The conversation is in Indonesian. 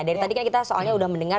dari tadi kan kita soalnya sudah mendengar